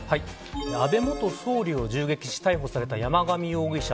安倍元総理を銃撃し逮捕された山上容疑者。